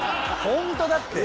ホントだって。